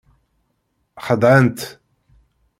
Xeddɛent.